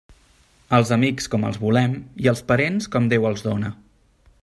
Els amics com els volem i els parents com Déu els dóna.